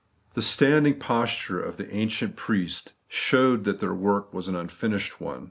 The standing posture of the ancient priests showed that their work was an unfinished one.